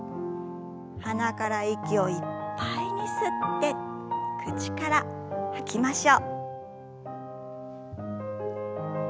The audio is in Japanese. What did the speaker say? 鼻から息をいっぱいに吸って口から吐きましょう。